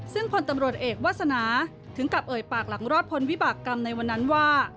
ซึ่งพลตำรวจเอกวาสนาถึงกับเอ่ยปากหลังรอดพลวิบากรรมในวันนั้นว่า